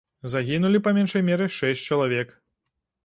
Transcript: Загінулі па меншай меры шэсць чалавек.